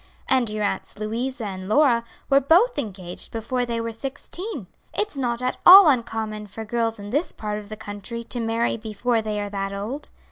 And your Aunts Louisa and Lora were both engaged before they were sixteen. It's not at all uncommon for girls in this part of the country to marry before they are that old.